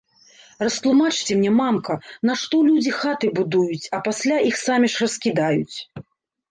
Растлумачце мне, мамка, нашто людзі хаты будуюць, а пасля іх самі ж раскідаюць?